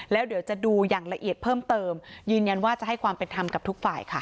แล้วเดี๋ยวจะดูอย่างละเอียดเพิ่มเติมยืนยันว่าจะให้ความเป็นธรรมกับทุกฝ่ายค่ะ